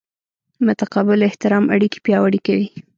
متقابل احترام اړیکې پیاوړې کوي.